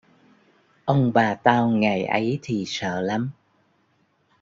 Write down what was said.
Ông bà tao ngày ấy thì sợ lắm